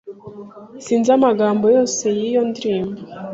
Sinzi amagambo yose yiyo ndirimbo.